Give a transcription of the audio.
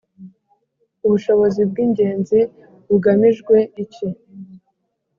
ubushobozi bw’ingenzi bugamijwe iki